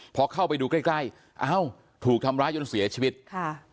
พอเข้าไปดูใกล้ใกล้อ้าวถูกทำร้ายจนเสียชีวิตค่ะ